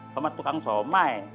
somat tukang somai